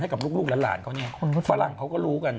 ให้กับลูกแล้วหลานเขาฝรั่งเขาก็รู้กัน